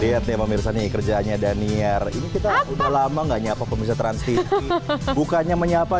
lihat nih pemirsa nih kerjaannya daniar ini kita udah lama gak nyapa pemirsa transisi bukannya menyapa